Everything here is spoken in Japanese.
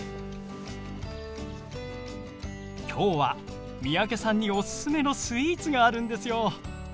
きょうは三宅さんにおすすめのスイーツがあるんですよ。